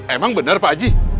emang benar pak haji